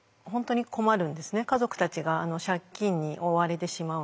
家族たちが借金に追われてしまうので。